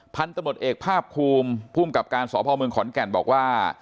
พันธมตเอกภาคภูมิภูมิกับการสพเมืองขอนแก่นบอกว่า